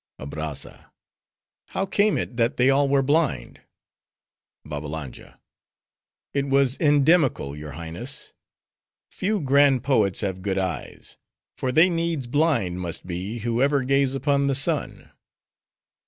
ABRAZZA—How came it, that they all were blind? BABBALANJA—It was endemical, your Highness. Few grand poets have good eyes; for they needs blind must be, who ever gaze upon the sun.